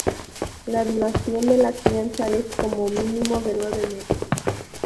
La duración de la crianza es, como mínimo, de nueve meses.